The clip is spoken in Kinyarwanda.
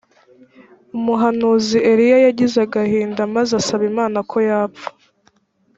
umuhanuzi eliya yagize agahinda maze asaba imana ko yapfa